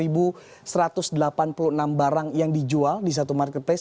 satu satu ratus delapan puluh enam barang yang dijual di satu marketplace